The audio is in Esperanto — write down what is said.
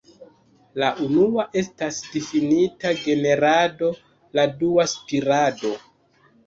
La unua estas difinita "generado", la dua "spirado".